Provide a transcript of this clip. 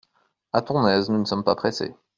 A ton aise ! nous ne sommes pas pressés.